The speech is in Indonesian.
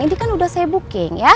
ini kan udah saya booking ya